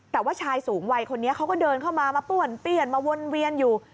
แต่ว่าชายสูงวัยคนนี้เขาก็เดินเข้ามามาป้วนเปี้ยนมาวนเวียนอยู่